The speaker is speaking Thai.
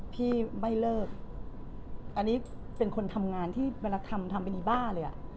พี่ไม่เลิกอันนี้เป็นคนทำงานที่เวลาทำทำเป็นอีบ้าเลยอ่ะ